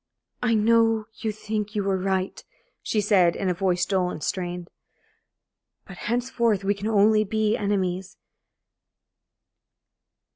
"I know you think you were right," she said, in a voice dull and strained, "but henceforth we can only be enemies.